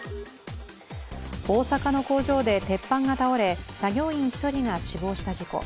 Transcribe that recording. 大阪の工場で鉄板が倒れ作業員１人が死亡した事故。